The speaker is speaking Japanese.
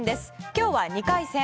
今日は２回戦。